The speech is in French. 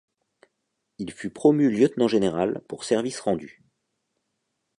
Il fut promu lieutenant-général pour services rendus.